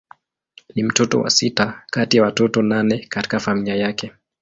Ni mtoto wa sita kati ya watoto nane katika familia yake.